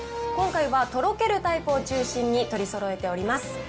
今回はとろけるタイプを中心に取りそろえております。